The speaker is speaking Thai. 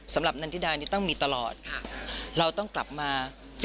นันทิดานี่ต้องมีตลอดเราต้องกลับมา